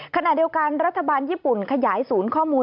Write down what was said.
ขณะเดียวกันรัฐบาลญี่ปุ่นขยายศูนย์ข้อมูล